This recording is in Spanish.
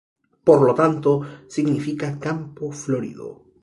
Por lo tanto, significa "Campo Florido".